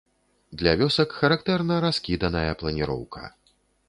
Для вёсак характэрна раскіданая планіроўка.